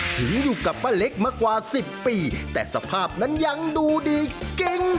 ถึงอยู่กับป้าเล็กมากว่า๑๐ปีแต่สภาพนั้นยังดูดีเก่ง